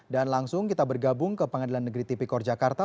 dan langsung kita bergabung ke pengadilan negeri tipikor jakarta